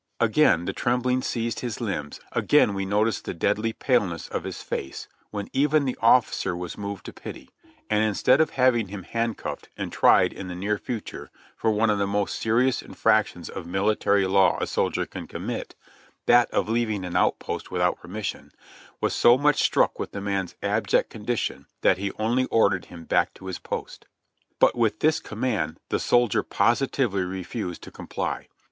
Again the trembling seized his limbs, again we noticed the deadly paleness of his face, when even the officer was moved to pity, and instead of having him handcuffed and tried in the near future for one of the most serious infractions of military law a soldier can commit, — that of leaving an outpost without permis sion,— was so much struck with the man's abject condition that he only ordered him back to his post. But with this command the soldier positively refused to com ply.